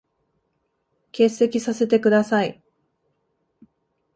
欠席させて下さい。